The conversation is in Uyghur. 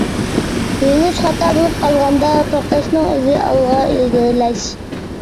يۆنىلىش خاتا بولۇپ قالغاندا، توختاشنىڭ ئۆزى ئالغا ئىلگىرىلەش.